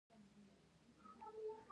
باندې د پې اي چ ډي سند تر السه کړو ۔